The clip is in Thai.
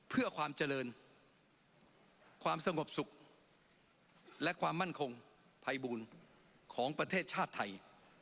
เพื่อความเจริญความสงบสุขและความมั่นคงภัยบูลของประเทศชาติไทย